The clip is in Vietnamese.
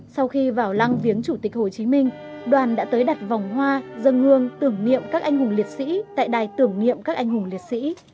sau khi vào lăng viếng chủ tịch hồ chí minh đoàn đã tới đặt vòng hoa dân hương tưởng niệm các anh hùng liệt sĩ tại đài tưởng niệm các anh hùng liệt sĩ